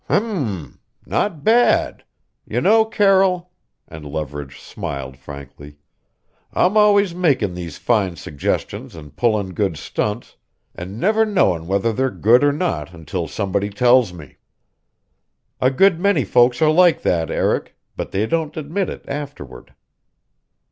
"H m! Not bad! You know, Carroll" and Leverage smiled frankly "I'm always makin' these fine suggestions an' pullin' good stunts, an' never knowin' whether they're good or not until somebody tells me." "A good many folks are like that, Eric, but they don't admit it afterward."